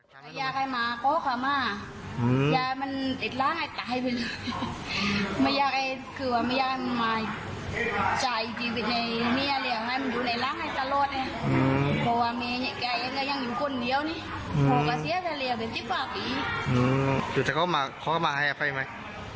ก็ไม่รู้ว่ากันพี่นงเต็มแล้วแม่เขาเสียใจกันไปเพราะว่าแกเป็นคนมึง